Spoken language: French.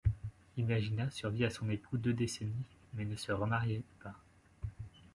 Imagina survit à son époux deux décennies mais ne se remarie pas.